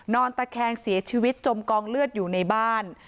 ตะแคงเสียชีวิตจมกองเลือดอยู่ในบ้าน